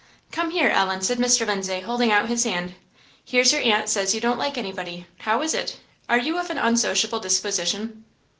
"Come here, Ellen," said Mr. Lindsay holding out his hand "here's your aunt says you don't like anybody how is it? are you of an unsociable disposition?"